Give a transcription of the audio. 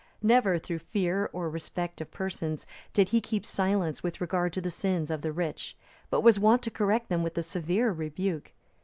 Never, through fear or respect of persons, did he keep silence with regard to the sins of the rich; but was wont to correct them with a severe rebuke.